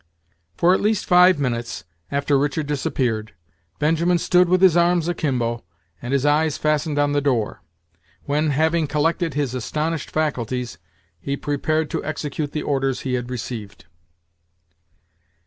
For at least five minutes, after Richard disappeared, Benjamin stood with his arms akimbo, and his eyes fastened on the door; when, having collected his astonished faculties, he prepared to execute the orders he had received.